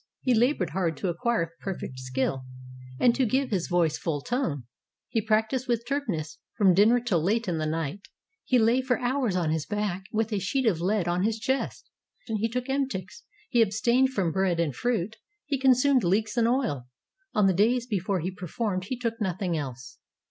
He labored hard to acquire perfect skill and to give to his voice full tone. He practiced with Terpnus from dinner till late in the night; he lay for hours on his back with a sheet of lead on his chest, he took emetics, he abstained from bread and fruit, he con sumed leeks and oil; on the days before he performed he took nothing else.